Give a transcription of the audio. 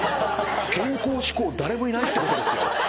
健康志向誰もいないってことですよ。